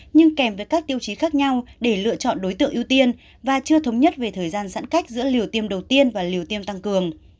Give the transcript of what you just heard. nhưng kèm với các tiêu chí khác nhau để lựa chọn đối tượng ưu tiên và chưa thống nhất về thời gian giãn cách giữa liều tiêm đầu tiên và liều tiêm tăng cường